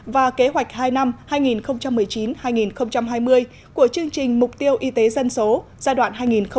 và kế hoạch hai năm hai nghìn một mươi chín hai nghìn hai mươi của chương trình mục tiêu y tế dân số giai đoạn hai nghìn một mươi sáu hai nghìn ba mươi